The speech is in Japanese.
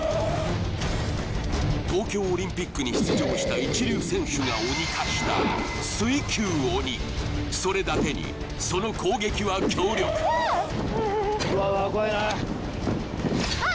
東京オリンピックに出場した一流選手が鬼化したそれだけにその攻撃は強力うわうわ怖いなあっ